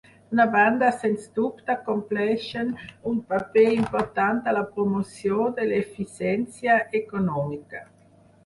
D'una banda, sens dubte compleixen un paper important a la promoció de l'eficiència econòmica.